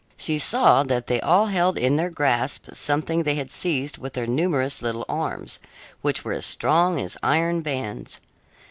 She saw that they all held in their grasp something they had seized with their numerous little arms, which were as strong as iron bands.